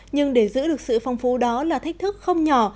nhưng để giữ được sự phong phú đó là thách thức không nhỏ